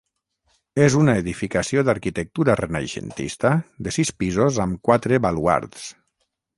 És una edificació d'arquitectura renaixentista de sis pisos amb quatre baluards.